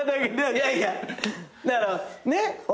いやいやだからねほら。